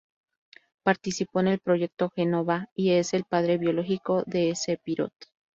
Participó en el Proyecto Jenova y es el padre biológico de Sephiroth.